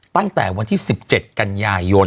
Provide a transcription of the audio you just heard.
ตั้งแต่วันที่๑๗กันยายน